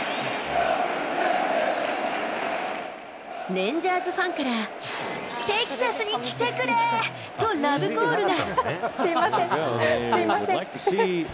レンジャーズファンから、テキサスに来てくれ！とラブコールが。